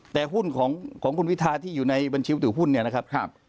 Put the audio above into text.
แต่หุ้นของคุณวิทาที่อยู่ในบัญชีถือหุ้นเนี่ยนะครับ